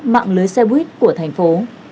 mạng lưới xe buýt của thành phố